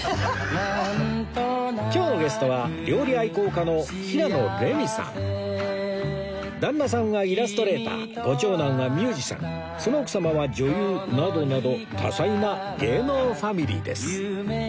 今日のゲストは旦那さんがイラストレーターご長男はミュージシャンその奥様は女優などなど多彩な芸能ファミリーです